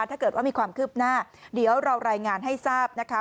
ถ้าเกิดว่ามีความคืบหน้าเดี๋ยวเรารายงานให้ทราบนะคะ